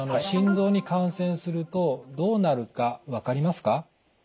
心臓に感染するとどうなるか分かりますか？